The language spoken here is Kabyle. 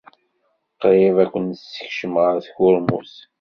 Qrib ad ken-nessekcem ɣer tkurmut.